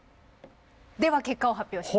では結果を発表します。